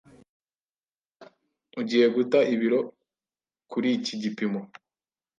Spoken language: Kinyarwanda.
Ugiye guta ibiro kuriki gipimo.